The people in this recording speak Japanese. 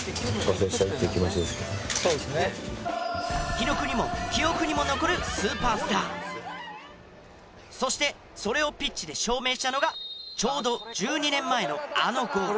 記録にも記憶にも残るそしてそれをピッチで証明したのがちょうど１２年前のあのゴール。